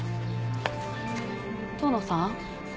遠野さん？